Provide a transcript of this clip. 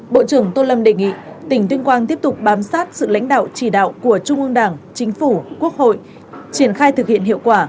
bộ trưởng tô lâm đề nghị tỉnh tuyên quang tiếp tục bám sát sự lãnh đạo chỉ đạo của trung ương đảng chính phủ quốc hội triển khai thực hiện hiệu quả